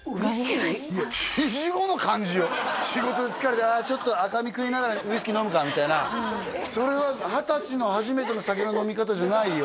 いや４５の感じよ仕事で疲れて「ああちょっと赤身食いながら」「ウイスキー飲むか」みたいなそれは二十歳の初めての酒の飲み方じゃないよ